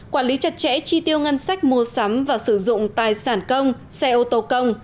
quản lý chặt chẽ chi tiêu ngân sách mua sắm và sử dụng tài sản công xe ô tô công